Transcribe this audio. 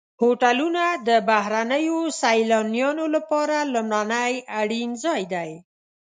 هوټلونه د بهرنیو سیلانیانو لپاره لومړنی اړین ځای دی.